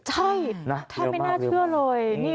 ใช่แทบไม่น่าเชื่อเลย